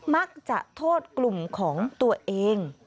มักจะโทษกลุ่มของตัวเอง